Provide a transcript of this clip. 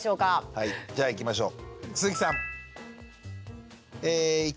はいじゃあいきましょう。